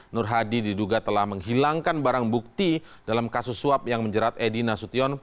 nur hadi diduga telah menghilangkan barang bukti dalam kasus suap yang menjerat edi nasution